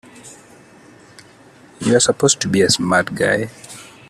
You're supposed to be a smart guy!